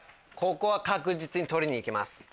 ここは確実に取りに行きます。